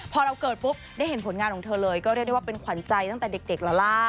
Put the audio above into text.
พอเราเกิดปุ๊บได้เห็นผลงานของเธอเลยก็เรียกได้ว่าเป็นขวัญใจตั้งแต่เด็กแล้วล่ะ